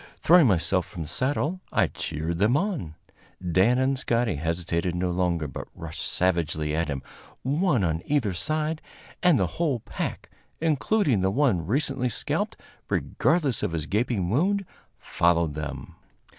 Throwing myself from the saddle, I cheered them on. Dan and Scotty hesitated no longer, but rushed savagely at him, one on either side, and the whole pack, including the one recently scalped, regardless of his gaping wound, followed them.